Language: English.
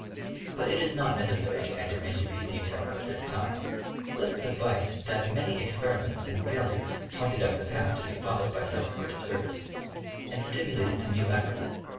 But it is not neces sary to enter into these details at this time ; let it suffice that many experiments and failures pointed out the path to be fol lowed by subsequent observers, and stimulated to new efforts